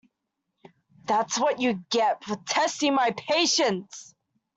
That’s what you get for testing my patience.